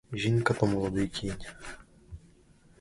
Жінка — то молодий кінь.